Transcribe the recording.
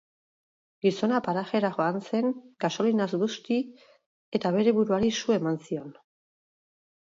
Gizona garajera joan zen, gasolinaz busti eta bere buruari su eman zion.